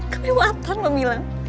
kelewatan mau bilang